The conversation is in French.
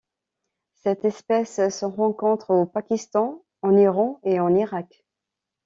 Cette espèce se rencontre au Pakistan, en Iran et en Irak.